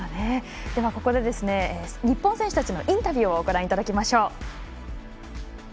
ここで、日本選手たちのインタビューをご覧いただきます。